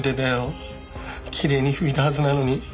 きれいに拭いたはずなのに。